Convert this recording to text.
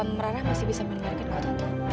merara masih bisa mendengarkan kutu tante